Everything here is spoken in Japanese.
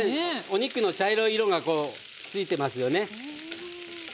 お肉の茶色い色がこうついてますよね。